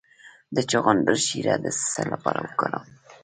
د چغندر شیره د څه لپاره وکاروم؟